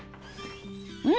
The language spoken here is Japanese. うん。